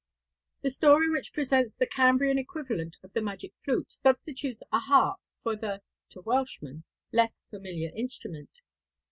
The story which presents the Cambrian equivalent of the Magic Flute substitutes a harp for the (to Welshmen) less familiar instrument.